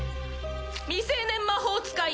「未成年魔法使いの」